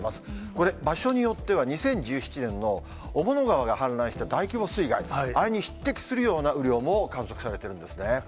これ、場所によっては２０１７年の雄物川が氾濫して、大規模水害、あれに匹敵するような雨量も観測されているんですね。